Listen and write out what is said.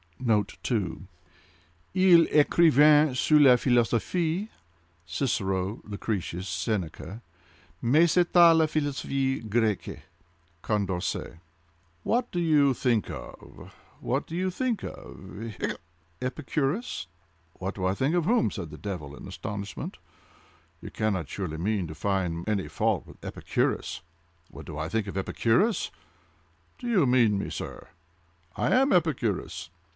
(*2) {*2} Ils ecrivaient sur la Philosophie (Cicero, Lucretius, Seneca) mais c'etait la Philosophie Grecque.—Condorcet. "What do you think of—what do you think of—hiccup!—Epicurus?" "What do I think of whom?" said the devil, in astonishment, "you cannot surely mean to find any fault with Epicurus! What do I think of Epicurus! Do you mean me, sir?—I am Epicurus!